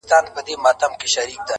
o ليلا ته د مجنون په سترگو وگوره.